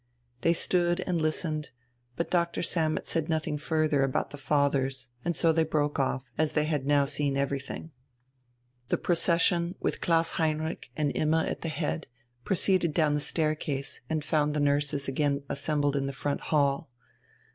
They stood and listened, but Doctor Sammet said nothing further about the fathers and so they broke off, as they had now seen everything. The procession, with Klaus Heinrich and Imma at the head, proceeded down the staircase and found the nurses again assembled in the front hall.